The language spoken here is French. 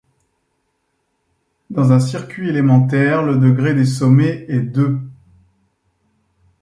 Dans un circuit élémentaire, le degré des sommets est deux.